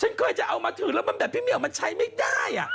ฉันเคยจะเอามาถึงแล้วมันแบบพี่เหี่ยวมันใช้ไม่ได้